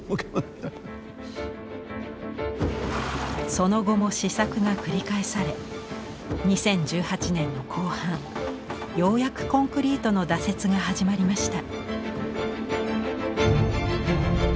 その後も試作が繰り返され２０１８年の後半ようやくコンクリートの打設が始まりました。